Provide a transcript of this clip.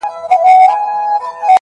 چي د سیمي اوسېدونکي -